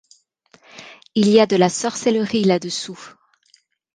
Il y a de la sorcellerie là-dessous